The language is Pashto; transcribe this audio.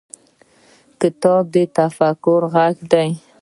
کتاب د تفکر غزونه ده.